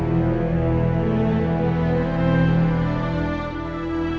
dan kutipnya di jari